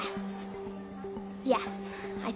はい。